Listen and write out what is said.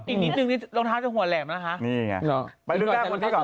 นี่จริงนี่รองเท้าจะหัวแหลมนะคะ